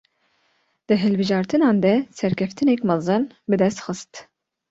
Di hilbijartinan de serkeftinek mezin bi dest xist